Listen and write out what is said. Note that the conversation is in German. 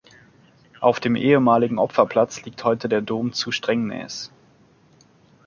Auf dem ehemaligen Opferplatz liegt heute der Dom zu Strängnäs.